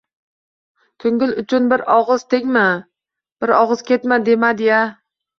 Ko‘ngil uchun bir og‘iz ketma, demadi-ya.